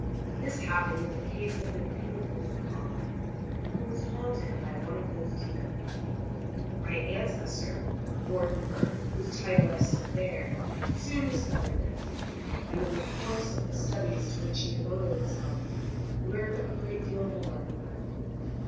This happened in the case of the beautiful Mircalla, who was haunted by one of those demons. My ancestor, Vordenburg, whose title I still bear, soon discovered this, and in the course of the studies to which he devoted himself, learned a great deal more.